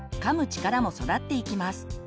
力も育っていきます。